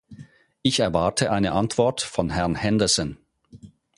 Ich erwarte eine Antwort von Herrn Henderson.